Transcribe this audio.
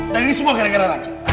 dan ini semua gara gara raja